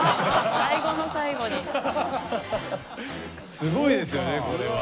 すごいですよねこれ。